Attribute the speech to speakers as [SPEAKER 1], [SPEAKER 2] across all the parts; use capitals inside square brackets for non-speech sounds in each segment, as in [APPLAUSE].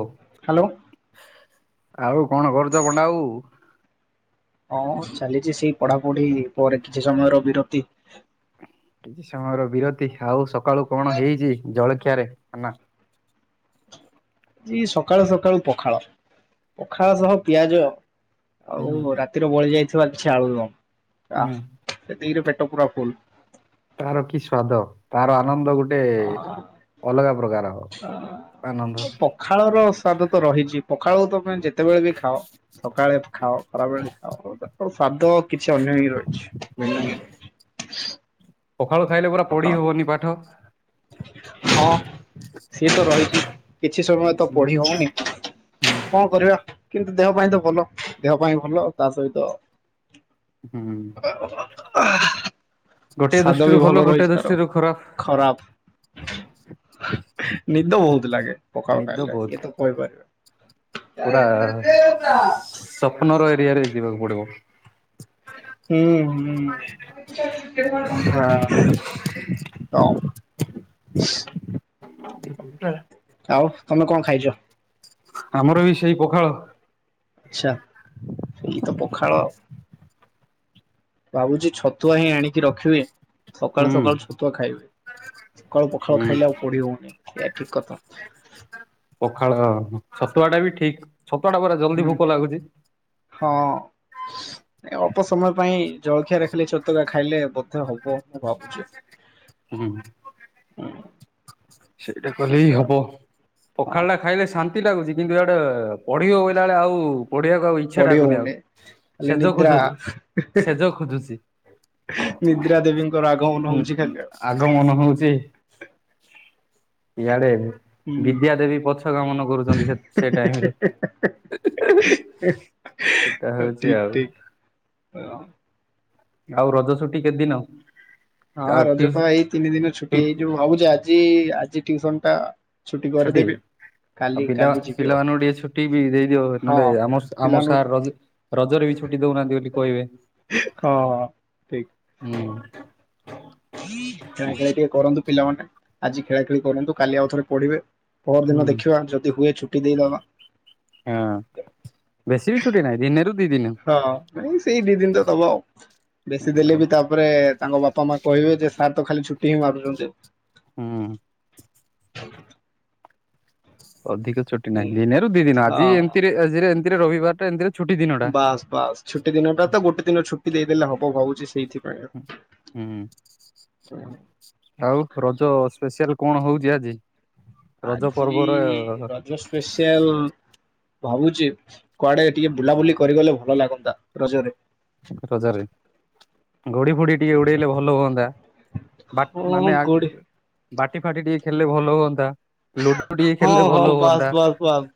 [SPEAKER 1] ଓହଃ।
[SPEAKER 2] Hello.
[SPEAKER 1] ଆଉ କଣ କରୁଚ ପଣ୍ଡା ଆଉ?
[SPEAKER 2] ହଁ, ଚାଲିଚି ସେଇ ପଢାପଢି ପରେ କିଛି ସମୟର ବିରତି।
[SPEAKER 1] କିଛି ସମୟର ବିରତି। ଆଉ ସକାଳୁ କଣ ହେଇଚି ଜଳଖିଆରେ ଖାନା?
[SPEAKER 2] ଇ-ଇ ସକାଳୁ ସକାଳୁ ପଖାଳ। ପଖାଳ ସହ ପିଆଜ ଆଉ
[SPEAKER 1] ହୁଁ
[SPEAKER 2] ବରା ତିରେ ବଳି ଯାଇଥିବା କିଛି ଆଳୁଦମ୍
[SPEAKER 1] ହୁଁ।
[SPEAKER 2] ଆଃ, ସେତିକିରେ ପେଟ ପୁରା ଫୁଲ୍।
[SPEAKER 1] ତାହାର କି ସ୍ଵାଦ! ତାର ଆନନ୍ଦ ଗୁଟ୍ ଟେ-ଏ ଅଲଗା ପ୍ରକାର ଆନନ୍ଦ।
[SPEAKER 2] ଖାଳର ସ୍ଵାଦ ତ ରହିଚି, ପଖାଳ ତମେ ଯେତ୍ କେତେବେଳେ ବି ଖାଅ, ସକାଳେ ଖାଅ, ଖରାବେଳେ ଖାଅ, [UNINTELLIGIBLE] ସ୍ଵାଦ କିଛି ଅନ୍ୟ ହିଁ ରଇଛି। [UNINTELLIGIBLE]
[SPEAKER 1] ପଖାଳ ଖାଇଲେ ପରା ପଢି ହେବନି ପାଠ।
[SPEAKER 2] ହଁ, ସିଏ ତ ରହିଚି। କିଛି ସମୟ ତ ପଢି ହଉନି। କଣ କରିବା? କିନ୍ତୁ ଦେହ ପାଇଁ ତ ଭଲ। ଦେହ ପାଇଁ ଭଲ, ତା ସହିତ
[SPEAKER 1] ହୁଁ। ଗୋଟିଏ ଦୃଷ୍ଟିରୁ ଭଲ। ଗୋଟେ ଦୃଷ୍ଟିରୁ ଖରାଫ୍।
[SPEAKER 2] ଖରାଫ୍! ନିଦ ବହୁତ୍ ଲାଗେ। ପକାଳ
[SPEAKER 1] ନିଦ
[SPEAKER 2] ଖାଇଲେ,
[SPEAKER 1] ବହୁତ।
[SPEAKER 2] ଇଏ ତ କହିପାରିବ।
[SPEAKER 1] ପୁରା
[SPEAKER 2] [INAUDIBLE]
[SPEAKER 1] ସ୍ୱପ୍ନର ଏରିଆରେ ଯିବାକୁ ପଡ଼ିବ।
[SPEAKER 2] ହୁଁ, ହୁଁ, ହଁ। ହଁ।
[SPEAKER 1] [INAUDIBLE]
[SPEAKER 2] ଆଉ, ତମେ କଁ ଖାଇଚ?
[SPEAKER 1] ଆମର ବି ସେଇ ପଖାଳ।
[SPEAKER 2] ଆଛା! ସେଇ ତ ପଖାଳ। ଭାବୁଛି ଛତୁଆ ହିଁ ଆଣିକି ରଖିବି
[SPEAKER 1] ହୁଁ
[SPEAKER 2] ସକାଳୁ ସକାଳୁ ଛତୁଆ ଖାଇବି। ସକାଳୁ ପଖାଳ
[SPEAKER 1] ହୁଁ
[SPEAKER 2] ଖାଇଲେ ଆଉ ପଢି ହଉନି ଏଇଆ ଠିକ କଥା।
[SPEAKER 1] ପଖାଳ ହଁ ଛତୁଆ ଟା ବି ଠିକ ଛତୁଆ ଟା ପରା ଜଲଦି
[SPEAKER 2] ହୁଁ
[SPEAKER 1] ଭୋକ ଲାଗୁଛି।
[SPEAKER 2] ହଁ। ଏ ଅଳ୍ପ ସମୟ ପାଇଁ ଜଳଖିଆ ରଖିଲେ ଛତୁଆ ଖାଇଲେ ବୋଧ ହବ। କ ମୁଁ ଭାବୁଛି
[SPEAKER 1] ସେଟା କଲେବି ହବ।
[SPEAKER 2] ହଁ
[SPEAKER 1] ପଖାଳ ଟା ଖାଇଲେ ଶାନ୍ତି ଲାଗୁଛି କିନ୍ତୁ ଏଆଡେ ପଢିବ ବଇଲା ବେଳେ ଆଉ ପଢିବାକୁ ଆଉ ଇ ଛା
[SPEAKER 2] ପଢି
[SPEAKER 1] ଡାକୁନି ଆଉ
[SPEAKER 2] ହଉନି। ଖାଲି
[SPEAKER 1] ସେଜ
[SPEAKER 2] ନିଦ୍ରା
[SPEAKER 1] ଖୋଜୁଛି ସେଜ ଖୋଜୁଛି।
[SPEAKER 2] ନିଦ୍ରା ଦେବୀଙ୍କର ଆଗମନ ହଉଛି ଖାଲି ଆଉ।
[SPEAKER 1] ଆଗମନ ହଉଛି। ଇଆଡେ
[SPEAKER 2] ହୁଁ
[SPEAKER 1] ବିଦ୍ୟା ଦେବୀ ପଛ ଗାମନ କରୁଛନ୍ତି ସେ ଟାଇମରେ। ସେଟା ହଉଛି
[SPEAKER 2] ଠିକ
[SPEAKER 1] ଆଉ।
[SPEAKER 2] ଠିକ [UNINTELLIGIBLE]
[SPEAKER 1] ଆଉ ରଜ ଛୁଟି କେତେଦିନ?
[SPEAKER 2] ହଁ ରଜ ପା ଏଇ ତିନି ଦିନ ଛୁଟି ହେଇଯିବ ଭାବୁଛି ଆଜି ଆଜି ଟ୍ୟୁସନ ଟା ଛୁଟି
[SPEAKER 1] ଛୁଟି
[SPEAKER 2] କରିଦେବି।
[SPEAKER 1] ଆଉ
[SPEAKER 2] କାଲି
[SPEAKER 1] ପିଲା
[SPEAKER 2] କାଲି ଯିବି ଆଉ
[SPEAKER 1] ପିଲାମାନଙ୍କୁ ଟିକେ ଛୁଟି ବି ଦେଇଦିଅ
[SPEAKER 2] ହଁ
[SPEAKER 1] ନହେଲେ ଆମ ଆମ ସାର୍
[SPEAKER 2] ପିଲାମାନଙ୍କୁ
[SPEAKER 1] ର- ରଜରେ ବି ଛୁଟି ଦଉନାହାନ୍ତି ବୋଲି କହିବେ।
[SPEAKER 2] ହଁ।
[SPEAKER 1] ହୁଁ।
[SPEAKER 2] ଖେଳାଖେଳି ଟିକେ କରନ୍ତୁ ପିଲାମାନେ ଆଜି ଖେଳାଖେଳି କରନ୍ତୁ କାଲି ଆଉ ଥରେ ପଢିବେ। ପର
[SPEAKER 1] ହୁଁ
[SPEAKER 2] ଦିନ ଦେଖିବା ଯଦି ହୁଏ ଛୁଟି ଦେଇଦବା।
[SPEAKER 1] ହଁ ବେଶୀ ବି ଛୁଟି ନାହିଁ ଦିନେରୁ ଦି ଦିନି।
[SPEAKER 2] ହଁ ନାଇଁ ସେଇ ଦି ଦିନ ତ ଦବ ଆଉ। ବେଶୀ ଦେଲେ ବି ତାପରେ ତାଙ୍କ ବାପା ମା କହିବେ ଯେ ସାର୍ ତ ଖାଲି ଛୁଟି ହିଁ ମାରୁଛନ୍ତି।
[SPEAKER 1] ହୁଁ। ଅଧିକ ଛୁଟି
[SPEAKER 2] ହୁଁ,
[SPEAKER 1] ନାହିଁ ଦିନେରୁ ଦି ଦିନ ଆଜି
[SPEAKER 2] ହଁ
[SPEAKER 1] ଏମିତିରେ ଆଜିରେ ଏମିତିରେ ରବିବାରଟା ଏମିତି
[SPEAKER 2] ବାସ୍ ବାସ୍ ଛୁଟି ଦିନଟା ତ ଗୋଟେ ଦିନ ଛୁଟି ଦେଇଦେଲେ ହବ ଭାବୁଛି ସେଇଥିପାଇ
[SPEAKER 1] ହୁଁ। ହୁଁ ଆଉ ରଜ ସ୍ପେସିଆଲ କଣ ହଉଛି ଆଜି? ରଜ
[SPEAKER 2] ଆଜି
[SPEAKER 1] ପର୍ବର
[SPEAKER 2] ରଜ ସ୍ପେସିଆଲ ଭାବୁଛି କୁଆଡେ ଟିକେ ବୁଲାବୁଲି କରିଗଲେ ଭଲ ଲାଗନ୍ତା ରଜରେ।
[SPEAKER 1] ରଜରେ ଗଡି ଫୁଡି ଟିକେ ଉଡେଇଲେ ଭଲ ହୁଅନ୍ତା ବା
[SPEAKER 2] ହଁ
[SPEAKER 1] ମାନେ
[SPEAKER 2] କୋଉଠି
[SPEAKER 1] ବାଟି ଫାଟି ଟିକେ ଖେଳିଲେ ଭଲ ହୁଅନ୍ତା ଲୁଡୁ ଟିକେ
[SPEAKER 2] ହଁ
[SPEAKER 1] ଖେଳିଲେ
[SPEAKER 2] ହଁ
[SPEAKER 1] ଭଲ
[SPEAKER 2] ବାସ୍
[SPEAKER 1] ହୁଅନ୍ତା।
[SPEAKER 2] ବାସ୍ ବାସ୍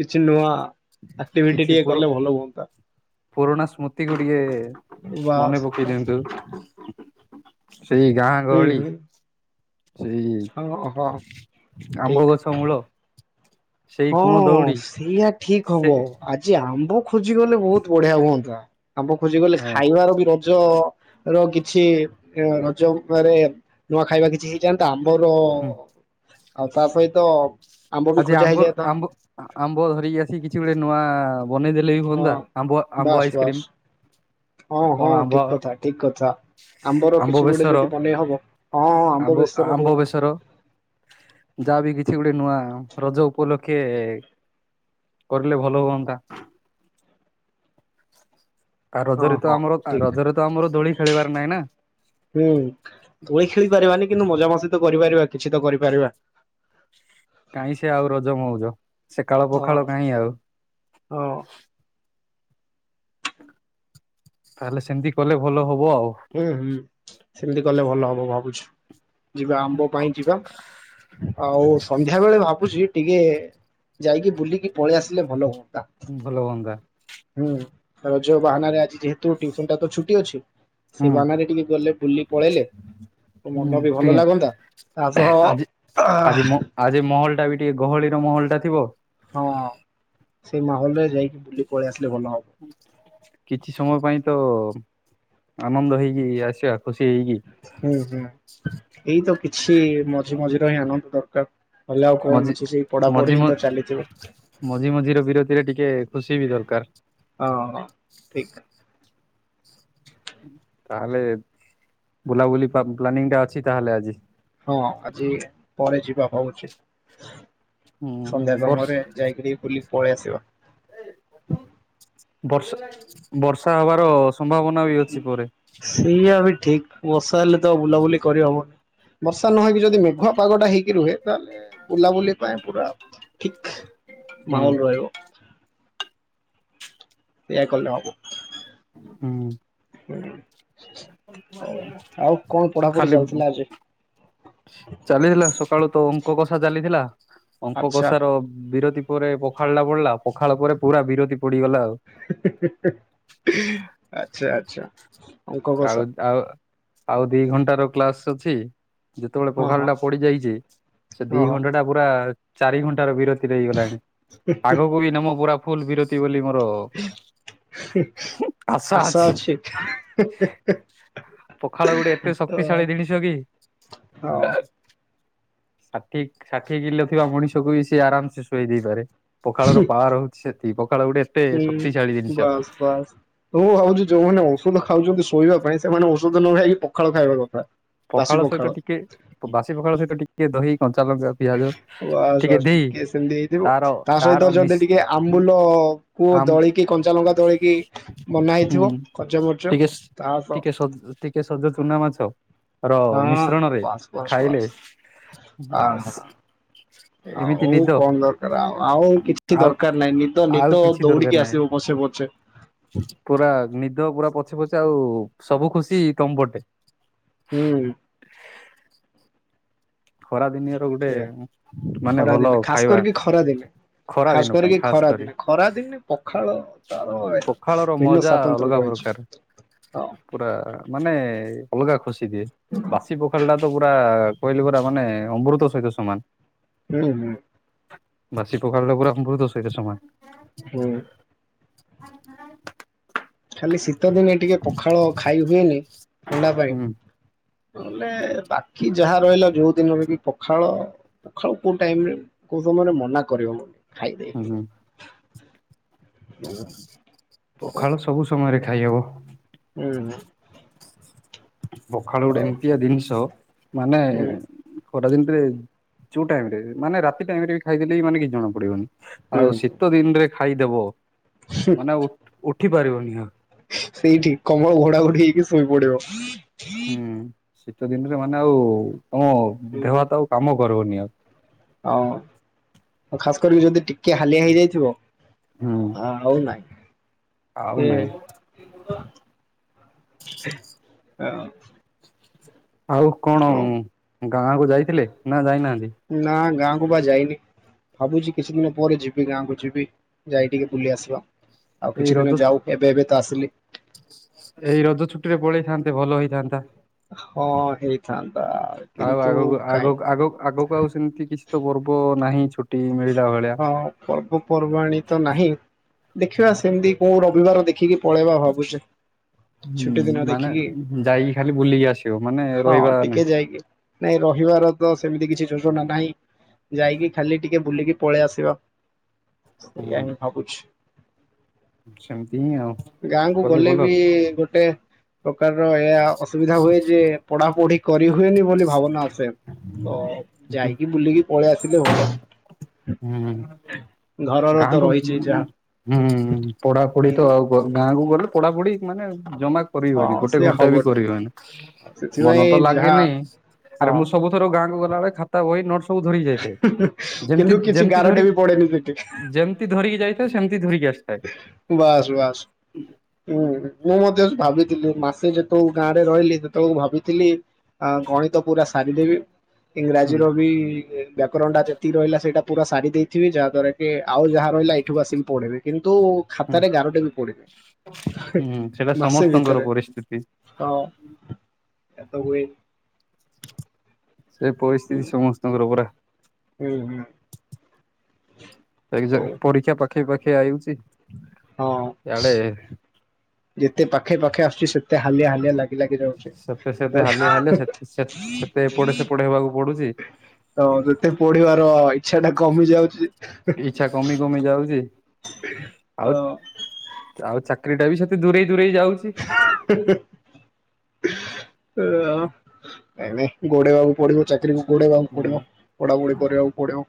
[SPEAKER 2] କିଛି ନୂଆ ଆକ୍ଟିଭିଟି
[SPEAKER 1] କିଛି
[SPEAKER 2] ଟିକେ
[SPEAKER 1] ପୁର
[SPEAKER 2] କଲେ ଭଲ ହୁଅନ୍ତା।
[SPEAKER 1] ପୁରୁଣା ସ୍ମୃତିକୁ ଟିକେ ମନେ
[SPEAKER 2] ବାସ୍
[SPEAKER 1] ପକେଇ
[SPEAKER 2] ବାସ୍
[SPEAKER 1] ଦିଅନ୍ତୁ ସେଇ ଗାଁ
[SPEAKER 2] ହୁଁ
[SPEAKER 1] ଗହଳି
[SPEAKER 2] ହୁଁ।
[SPEAKER 1] ସେଇ
[SPEAKER 2] ହଁ ହଁ ଠିକ।
[SPEAKER 1] ଶମୁଳ।
[SPEAKER 2] ହଁ ସେଇଆ ଠିକ
[SPEAKER 1] ସେ
[SPEAKER 2] ହବ ଆଜି ଆମ୍ବ ଖୋଜିଗଲେ ବୋହୁତ ବଢିଆ ହୁଅନ୍ତା। ଆମ୍ବ ଖୋଜି ଗଲେ
[SPEAKER 1] ହଁ
[SPEAKER 2] ଖାଇବାର ବି ର ରଜ ର କିଛି ରଜ ଉପରେ ନୂଆ ଖାଇବା କିଛି ଯେନ୍ତା ଆମର ଆଉ ତା ସହିତ ଆମ୍ବ ବି ଖୋଜା ହେଇଯାଏ
[SPEAKER 1] ଆମ୍ବ ଆମ୍ବ ଧରିକି ଆସି କିଛି ବେଳେ ନୂଆ ବନେଇଦେ ଲେବି
[SPEAKER 2] ହଁ
[SPEAKER 1] ହୁଅନ୍ତା ଆମ୍ବ ଆମ୍ବ
[SPEAKER 2] ବାସ୍ ବାସ୍
[SPEAKER 1] ଆଇସ୍କ୍ରିମ
[SPEAKER 2] ହଁ ହଁ
[SPEAKER 1] କଣ ଆମ୍ବ
[SPEAKER 2] ଠିକ୍ କଥା ଠିକ୍ କଥା। ଆମ୍ବର
[SPEAKER 1] ଆମ୍ବ
[SPEAKER 2] କିଛି ଗୋଟେ
[SPEAKER 1] ବେସର
[SPEAKER 2] ଯଦି ବନେଇ ହବ ହଁ ହଁ ଆମ୍ବ ବେସର ହଉ
[SPEAKER 1] ଆମ୍ବ ବେସର ଯାହା ବି କିଛି ଗୋଟେ ନୂଆ ରଜ ଉପଲକ୍ଷେ କର୍ଲେ ଭଲ ହୁଅନ୍ତା ଆଉ
[SPEAKER 2] ହଁ
[SPEAKER 1] ରଜରେ ତ
[SPEAKER 2] ହଁ
[SPEAKER 1] ଆମର ଆ
[SPEAKER 2] ଠିକ
[SPEAKER 1] ରଜରେ ତ ଆମର ଦୋଳି ଖେଳିବାର ନାହିଁ ନା
[SPEAKER 2] ହୁଁ ଦୋଳି ଖେଳି ପାରିବାନି କିନ୍ତୁ ମଜା ମସ୍ତି ତ କରିପାରିବା କିଛି ତ କରିପାରିବା
[SPEAKER 1] କାଇଁ ସେ ଆଉ ରଜ ମଉଜ ସେ କାଳ
[SPEAKER 2] ହଁ
[SPEAKER 1] ପଖାଳ କାଇଁ ଆଉ?
[SPEAKER 2] ହଁ।
[SPEAKER 1] ତାହେଲେ ସେମିତି କଲେ ଭଲ ହବ ଆଉ?
[SPEAKER 2] ଉଁ ହୁଁ ସେମିତି କଲେ ଭଲ ହବ ଭାବୁଛୁ ଯିବା ଆମ୍ବ ପାଇଁ ଯିବା ଆଉ ସନ୍ଧ୍ୟା ବେଳେ ଭାବୁଛି ଟିକେ ଯାଇକି ବୁଲିକି ପଳେ ଆସିଲେ ଭଲ ହୁଅନ୍ତା।
[SPEAKER 1] ଭଲ ହୁଅନ୍ତା
[SPEAKER 2] ହୁଁ ରଜ ବାହାନାରେ ଆଜି ଯେହେତୁ ଟିୟୁସନ୍ ଟାତ ଛୁଟି ଅଛି ସେ
[SPEAKER 1] ହୁଁ
[SPEAKER 2] ବାହାନାରେ ଟିକେ ଗଲେ ବୁଲି ପଳେଇଲେ ତୋ
[SPEAKER 1] ହୁଁ
[SPEAKER 2] ମନ ବି ଭଲ
[SPEAKER 1] ଟିକେ
[SPEAKER 2] ଲାଗନ୍ତା ତା
[SPEAKER 1] ଆଜି ଆଜି ମ
[SPEAKER 2] ସହ
[SPEAKER 1] ଆଜି ମହଲ୍ ଟାବି ଟିକେ ଗହଳିର ମହଲ୍ ଟା ଥିବ
[SPEAKER 2] ହଁ ସେଇ ମାହଲ୍ ରେ ଯାଇକି ବୁଲି ପଳେଇ ଆସିଲେ ଭଲ ହ
[SPEAKER 1] କିଛି ସମୟ ପାଇଁ ତ ଆନନ୍ଦ ହେଇକି ଆସିବା ଖୁସି ହେଇକି
[SPEAKER 2] ହୁଁ ହୁଁ ଏଇ ତ କିଛି ମଝି ମଝିର ହିଁ ଆନଦ୍ ଦର୍କାର୍ ହେଲେ ଆଉ କଣ
[SPEAKER 1] ମଜି
[SPEAKER 2] ଅଛି ସେଇ
[SPEAKER 1] ମଝି
[SPEAKER 2] ପଢାପଢି ହିଁ
[SPEAKER 1] ମ
[SPEAKER 2] ତ ଚାଲିଥିବ।
[SPEAKER 1] ମଝି ମଝିର ବିରତିରେ ଟିକେ ଖୁସି ବି ଦର୍କାର୍।
[SPEAKER 2] ହଁ ଠିକ୍।
[SPEAKER 1] ତାହେଲେ ବୁଲାବୁଲି ପା ପ୍ଲାନିଂ ଟା ଅଛି ତାହେଲେ ଆଜି?
[SPEAKER 2] ହଁ ଆଜି ପରେ ଯିବା ହଉଛି।
[SPEAKER 1] ହୁଁ ହୁଁ
[SPEAKER 2] ସନ୍ଧ୍ୟା
[SPEAKER 1] ବର୍ଷ
[SPEAKER 2] ସମୟରେ ଯାଇକିରି ବୁଲି ପଳେ ଆସିବା।
[SPEAKER 1] ବର୍ଷା ବର୍ଷା ହବାର ସମ୍ଭାବନା ବି ଅଛି ପରେ?
[SPEAKER 2] ସେଇଆ ବି ଠିକ୍ ବର୍ଷା ହେଲେ ତ ବୁଲାବୁଲି କରିହବନି ବର୍ଷା ନହେକି ଯଦି ମେଘୁଆ ପାଗଟା ହେଇକି ରୁହେ ତାହେଲେ ବୁଲାବୁଲି ପାଇଁ ପୁରା ଠିକ୍
[SPEAKER 1] ହୁଁ
[SPEAKER 2] ମାହଲ୍ ରହିବ। ଏଆ କଲେ ହବ।
[SPEAKER 1] ହୁଁ।
[SPEAKER 2] ହୁଁ। କଣ ପଢାପଢି
[SPEAKER 1] ଖାଲି
[SPEAKER 2] ଚାଲିଥିଲା ଆଜି?
[SPEAKER 1] ଚାଲିହିଲା ସକାଳୁ ତ ଅଙ୍କ କଷା ଚାଲିଥିଲା ଅଙ୍କ
[SPEAKER 2] ଆଚ୍ଛା
[SPEAKER 1] କଷା ର ବିରତି ପରେ ପଖାଳ୍ ଟା ପୋଡ୍ଲା ପଖାଳ ପରେ ପୁରା ବିରତି ପଡିଗଲା ଆଉ।
[SPEAKER 2] ଆଚ୍ଛା ଆଚ୍ଛା। ଅଙ୍କ କଷା
[SPEAKER 1] ଆଉ ଆଉ ଆଉ ଦି ଘଣ୍ଟାର କ୍ଲାସ୍ ଅଛି। ଯେତେବେଳେ
[SPEAKER 2] ହଁ
[SPEAKER 1] ପଖାଳ୍
[SPEAKER 2] ହଁ
[SPEAKER 1] ଟା ପଡି ଯାଇଛି ସେ ଦି
[SPEAKER 2] ହଁ ହଁ
[SPEAKER 1] ଘଣ୍ଟା ଟା ପୁରା ଚାରି ଘଣ୍ଟାର ବିରତି ତିରେ ହେଇଗଲାଣି ଆଗକୁ ବି ନମ ପୁରା ଫୁଲ୍ ବିରତି ବୋଲି ମର
[SPEAKER 2] ଆସା ଅଛି।
[SPEAKER 1] ପଖାଳ ଗୁଟେ ଏତେ ଶକ୍ତିଶାଳୀ ଜିନିଷ କି
[SPEAKER 2] ହଁ।
[SPEAKER 1] ଷାଠି ଷାଠିଏ କିଲୋ ଥିବା ମଣିଷକୁ ବି ସେ ଆରାମସେ ଶୁଆଇ ଦେଇପାରେ। ପଖାଳର ପାୱରି ହଉଛି ସେଠି। ପଖାଳ ଗୋଟେ ଏତେ
[SPEAKER 2] ହୁଁ
[SPEAKER 1] ଶକ୍ତିଶାଳୀ ଜିନିଷ।
[SPEAKER 2] ବାସ୍ ବାସ୍। ମୁଁ ଭାବୁଚି ଯୋଉମାନେ ଔଷଧ ଖାଉଛନ୍ତି ଶୋଇବା ପାଇଁ ସେମାନେ ଔଷଧ ନଖାଇକି ପଖାଳ ଖାଇବା କଥା।
[SPEAKER 1] ପଖାଳ ସହିତ ଟିକେ ବାସି ପଖାଳ ସହିତ ଟିକେ ଦହି କଞ୍ଚା ଲଙ୍କା ପିଆଜ
[SPEAKER 2] ବାସ ବାସ୍ ଟିକେ ସେମତି ହେଇଥିବ।
[SPEAKER 1] ତାର
[SPEAKER 2] ତା ସହିତ
[SPEAKER 1] ତାର ମିଶ
[SPEAKER 2] ଯଦି ଟିକେ ଆମ୍ବୁଲ କୁ
[SPEAKER 1] ଆମ୍
[SPEAKER 2] ଦଳିକି କଞ୍ଚା ଲଙ୍କା ଦଳିକି ବନା ହେଇଥିବ ଖଜ ମର୍ଚ ତା ସ
[SPEAKER 1] ଟିକ ସ [UNINTELLIGIBLE] ଟିକେ ସଜ ଚୁନାମାଛ। ର
[SPEAKER 2] ହଁ ହଁ
[SPEAKER 1] ମିଶ୍ରଣରେ
[SPEAKER 2] ବାସ୍ ବାସ୍
[SPEAKER 1] ଖାଇଲେ
[SPEAKER 2] ବାସ୍ ଆ ହା
[SPEAKER 1] ବାସ୍ ଏମିତି
[SPEAKER 2] ଆଉ
[SPEAKER 1] ନିଦ
[SPEAKER 2] କଣ ଦରକାର ଆ ଆଉ କିଛି
[SPEAKER 1] ଆଉ
[SPEAKER 2] ଦରକାର ନାହିଁ ନିଦ
[SPEAKER 1] ଆଉ
[SPEAKER 2] ନିଦ
[SPEAKER 1] କିଛି ଦରକାର
[SPEAKER 2] ଦୌଡିକି
[SPEAKER 1] ନାହିଁ
[SPEAKER 2] ଆସିବ ବସେ ବଛେ।
[SPEAKER 1] ପୁରା ନିଦ ପୁରା ପଛେ ପଛେ ଆଉ ସବୁ ଖୁସି ତମ ପଟେ।
[SPEAKER 2] ହୁଁ।
[SPEAKER 1] ଖରା ଦିନିଆର ଗୋଟେ
[SPEAKER 2] ସେଇଆ
[SPEAKER 1] ମାନେ
[SPEAKER 2] ଖରା
[SPEAKER 1] ଭଲ
[SPEAKER 2] ଦିନେ ଖାସ
[SPEAKER 1] ଖାଇବା।
[SPEAKER 2] କରିକି ଖରା ଦିନେ
[SPEAKER 1] ଖରା
[SPEAKER 2] ଖାସ
[SPEAKER 1] ଦିନ
[SPEAKER 2] କରିକି
[SPEAKER 1] ପାଇଁ
[SPEAKER 2] ଖରା
[SPEAKER 1] ଖାସ କରି
[SPEAKER 2] ଦିନେ ଖରା ଦିନେ ପଖାଳ ତାର
[SPEAKER 1] ପଖାଳ ର
[SPEAKER 2] ଭିନ୍ନ
[SPEAKER 1] ମଜା
[SPEAKER 2] ସ୍ଵତନ୍ତ୍ର
[SPEAKER 1] ଅଲଗା ବଲ
[SPEAKER 2] ରହିଛି
[SPEAKER 1] [UNINTELLIGIBLE] ସାର୍।
[SPEAKER 2] ହଁ।
[SPEAKER 1] ପୁରା ମାନେ ଅଲଗା ଖୁସି ଦିଏ। ବାସି ପୋଖାଳଟା ତ ପୁରା କହିଲି ବା ପୁରା ମାନେ ଅମୃତ ସହିତ ସମାନ।
[SPEAKER 2] ହୁଁ ହୁଁ।
[SPEAKER 1] ବାସି ପଖାଳଟା ପୁରା ଅମୃତ ସହିତ ସମାନ।
[SPEAKER 2] ହୁଁ।
[SPEAKER 1] [UNINTELLIGIBLE]
[SPEAKER 2] ଖାଲି ଶୀତ ଦିନେ ଟିକେ ପଖାଳ ଖାଇ ହୁଏନି ଥଣ୍ଡା ପାଇଁ।
[SPEAKER 1] ହୁଁ
[SPEAKER 2] ନହଲେ ବାକି ଯାହା ରହିଲା ଯୋଉ ଦିନରେ କି ପଖାଳ ପଖାଳ କୋଉ ଟାଇମରେ କୋଉ ସମୟରେ ମନା କରିହବନି ଖାଇଦେଇିଯିବ।
[SPEAKER 1] ହୁଁ ପଖାଳ ସବୁ ସମୟରେ ଖାଇହବ।
[SPEAKER 2] ହୁଁ ହୁଁ।
[SPEAKER 1] ପଖାଳ ଗୋଟେ ଏମିତିଆ ଜିନିଷ ମାନେ ଖରାଦିନରେ ଯୋଉ ଟାଇମ୍ ରେ ମାନେ ରାତି ଟାଇମ୍ ରେ ବି ଖାଇଦଲେ ବି ମାନେ କିଛି ଜଣା ପଡ଼ିବନି।
[SPEAKER 2] ହୁଁ
[SPEAKER 1] ଆଉ ଶୀତ ଦିନରେ ଖାଇଦବ ମାନେ ଉ ଉଠି ପାରିବନି ଆଉ।
[SPEAKER 2] ସେଇଠି କମଳ ଘୋଡା ଘୋଡି ହେଇକି ଶୋଇ ପଡ଼ିବ।
[SPEAKER 1] ହୁଁ ଶୀତ ଦିନରେ ମାନେ ଆଉ ତମ ଦେହହାତ ଆଉ କାମ କରିବନି ଆଉ।
[SPEAKER 2] ହଁ ଖାସ୍ କରିକି ଯଦି ଟିକେ ହାଲିଆ ହେଇଯାଇଥିବ
[SPEAKER 1] ହୁଁ।
[SPEAKER 2] ହଁ। ଆଉ ନାହିଁ
[SPEAKER 1] ଆଉ
[SPEAKER 2] ସେ
[SPEAKER 1] ନାଇଁ
[SPEAKER 2] [UNINTELLIGIBLE]
[SPEAKER 1] ଆଉ କଣ ଗାଁକୁ ଯାଇଥିଲେ ନା ଯାଇନାହାନ୍ତି?
[SPEAKER 2] ନା ଗାଁକୁ ବା ଯାଇନି। ଭାବୁଚି କିଛି ଦିନ ପରେ ଯିବି ଗାଁକୁ ଯିବି ଯାଇ ଟିକେ ବୁଲି ଆସିବା। ଆଉ
[SPEAKER 1] ଏଇ
[SPEAKER 2] କିଛି
[SPEAKER 1] ରଜ
[SPEAKER 2] ଦିନ ଯାଉ ଏବେ ଏବେ ତ ଆସିଲି।
[SPEAKER 1] ଏଇ ରଜ ଛୁଟିରେ ପଳେଇଥାନ୍ତେ ଭଲ ହେଇଥାନ୍ତା?
[SPEAKER 2] ହଁ ହେଇଥାନ୍ତା
[SPEAKER 1] ଆଉ
[SPEAKER 2] କିନ୍ତୁ
[SPEAKER 1] ଆଗକୁ
[SPEAKER 2] କାଇଁ
[SPEAKER 1] ଆଗର ଆଗ ଆଗକୁ ଆଉ ସେମିତି କିଛିତ ପର୍ବ ନାହିଁ। ଛୁ ଟି ମିଳିଲା ଭଳିଆ।
[SPEAKER 2] ହଁ ପର୍ବପର୍ବାଣୀ ତ ନାହିଁ ଦେଖିବା ସେମିତି କୋଉ ରବିବାର ଦେଖିକି ପଳେଇବା ଭାବୁଚି।
[SPEAKER 1] ଉଁ ମାନେ ଯାଇକି ଖାଲି ବୁଲିକି ଆସିବ ମାନେ
[SPEAKER 2] ହଁ
[SPEAKER 1] ରହିବା
[SPEAKER 2] ଟିକେ
[SPEAKER 1] ନାଇଁ?
[SPEAKER 2] ଯାଇକି ନାଇଁ ରହିବାର ତ ସେମିତି କିଛି ଯୋଜନା ନାହିଁ। ଯାଇକି ଖାଲି ଟିକେ ବୁଲିକି ପଳେଇ ଆସିବା ସେଇଆ
[SPEAKER 1] ହୁଁ
[SPEAKER 2] ହିଁ ଭାବୁଛି।
[SPEAKER 1] ସେମିତି ହିଁ ଆଉ
[SPEAKER 2] ଗାଁକୁ
[SPEAKER 1] କଲେ
[SPEAKER 2] ଗଲେ
[SPEAKER 1] ଭଲ
[SPEAKER 2] ବି ଗୋଟେ ପ୍ରକାରର ଏଇଆ ଅସୁବିଧା ହୁଏ ଯେ ପଢା ପଢି କରିହୁଏନି ବୋଲି ଭାବନା ଆସେ। ତ ଯାଇକି ବୁଲିକି ପଳେଇ ଆସିଲେ ଭଲ।
[SPEAKER 1] ହୁଁ।
[SPEAKER 2] ଘରର ତ
[SPEAKER 1] ଗାଁକୁ
[SPEAKER 2] ରହିଛି
[SPEAKER 1] ଉଁ
[SPEAKER 2] ଯାହା
[SPEAKER 1] ହୁଁ ପଢାପଢି
[SPEAKER 2] ହୁଁ
[SPEAKER 1] ତ ଆଉ ପ ଗାଁକୁ ଗଲେ ପଢାପଢି ମାନେ ଜମା କରି ହୁଏନି
[SPEAKER 2] ହଁ
[SPEAKER 1] ଗୋଟେ
[SPEAKER 2] ସେ
[SPEAKER 1] ଘଣ୍ଟା ବି
[SPEAKER 2] ହବନି।
[SPEAKER 1] କରି ହୁଏନି। ମନ
[SPEAKER 2] ସେଥିପାଇଁ
[SPEAKER 1] ତ
[SPEAKER 2] ଯାହା
[SPEAKER 1] ଲାଗେନି ଆରେ
[SPEAKER 2] ହଁ
[SPEAKER 1] ମୁଁ ସବୁ ଥର ଗାଁକୁ ଗଲାବେଳେ ଖାତା, ବହି, ନୋଟ୍ସ ସବୁ ଧରିକି ଯାଇଥାଏ ଯେମତି
[SPEAKER 2] କିନ୍ତୁ କିଛି
[SPEAKER 1] ଯେମତି ଧରି
[SPEAKER 2] [UNINTELLIGIBLE]
[SPEAKER 1] ଯେମତି ଧରିକି ଯାଇଥାଏ ସେମତି ଧରିକି ଆସିଥାଏ।
[SPEAKER 2] ବାସ୍ ବାସ୍। ହୁଁ ମୁଁ ମଧ୍ୟ ଭାବିଥିଲି ମାସେ ଯେତେବେଳୁ ଗାଁରେ ରହିଲି ସେତେବେଳକୁ ଭାବିଥିଲି ଆ ଗଣିତ ପୁରା ସାରିଦେବି ଇଂରାଜୀର ବି ବ୍ୟାକରଣଟା ଯେତିକି ରହିଲା ସେଇଟା ପୁରା ସାରି ଦେଇଥିବି ଯାହାଦ୍ୱାରା କି ଆଉ ଯାହା ରହିଲା ଏଠୁକୁ ଆସିକି ପଢ଼ିବି। କିନ୍ତୁ
[SPEAKER 1] ହୁଁ
[SPEAKER 2] ଖାତାରେ ଗାରଟେ ବି ପଡିନି ହେଁ
[SPEAKER 1] ହୁଁ ସେଇଟା
[SPEAKER 2] ମାସେ
[SPEAKER 1] ସମସ୍ତଙ୍କର
[SPEAKER 2] ଭିତରେ।
[SPEAKER 1] ପରିସ୍ଥିତି।
[SPEAKER 2] ହଁ ଏତ ହୁଏ।
[SPEAKER 1] ସେ ପରିସ୍ଥିତି ସମସ୍ତଙ୍କର ପୁରା।
[SPEAKER 2] ହୁଁ ହୁଁ।
[SPEAKER 1] ଏକ୍ଜା
[SPEAKER 2] ହଉ।
[SPEAKER 1] ପରୀକ୍ଷା ପାଖେଇ ପାଖେଇ ଆୟୁଚି
[SPEAKER 2] ହଁ
[SPEAKER 1] ଇଆଡେ
[SPEAKER 2] ଯେତେ ପାଖେଇ ପାଖେଇ ଆସୁଚି ସେତେ ହାଲିଆ ହାଲିଆ ଲାଗ କି ଲାଗି ଯାଉଛି
[SPEAKER 1] ସେତେ ସେତେ ହାଲିଆ
[SPEAKER 2] ବଢିଆ
[SPEAKER 1] ହେଲେ ସେତେ ସେ ସେତେ ଏପଟେ ସେପଟେ ହେବାକୁ ପଡୁଛି।
[SPEAKER 2] [UNINTELLIGIBLE] ତ ଯେତେ ପଢିବାର ଇଚ୍ଛା ଟା କମି ଯାଉଚି ହେଁ।
[SPEAKER 1] [UNINTELLIGIBLE] ଯାଉଚି।
[SPEAKER 2] ତ
[SPEAKER 1] ଆଉ ଚାକିରୀ ଟା ବି ସେତେ ଦୂରେଇ ଦୂରେଇ ଯାଉଚି।
[SPEAKER 2] ହୁଁ ହୁଁ। [UNINTELLIGIBLE] ନାଇଁ ନାଇଁ ଗୋଡେଇ ବାକୁ ପଡିବ ଚାକିରୀକୁ। ଗୋଡେଇବାକୁ
[SPEAKER 1] ହୁଁ।
[SPEAKER 2] ପଡିବ ପଢାପଢି କରିବାକୁ ପଡିବ।